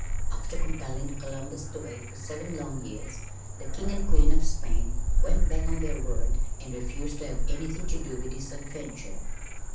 After compelling Columbus to wait for seven long years, the King and Queen of Spain went back on their word and refused to have anything to do with his adventure.